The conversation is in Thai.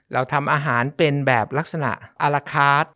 เราทำอาหารเป็นแบบลักษณะอาราคาร์ท